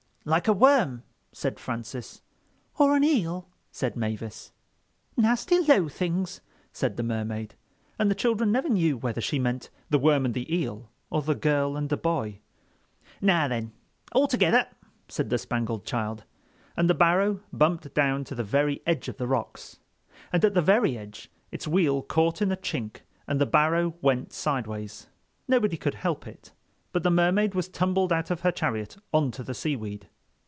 "Like a worm," said Francis. "Or an eel," said Mavis. "Nasty low things," said the Mermaid; and the children never knew whether she meant the worm and the eel, or the girl and the boy. "Now then. All together," said the Spangled Child. And the barrow bumped down to the very edge of the rocks. And at the very edge its wheel caught in a chink and the barrow went sideways. Nobody could help it, but the Mermaid was tumbled out of her chariot on to the seaweed.